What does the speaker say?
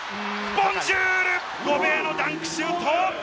ボンジュール、ゴベアのダンクシュート！